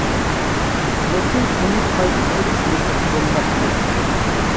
لېكىن ئۇنى قايتا كۆرۈش نېسىپ بولماپتۇ.